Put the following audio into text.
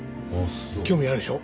興味あるでしょ？